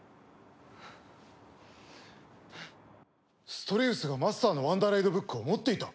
ストリウスがマスターのワンダーライドブックを持っていた！？